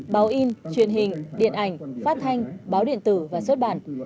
báo in truyền hình điện ảnh phát thanh báo điện tử và xuất bản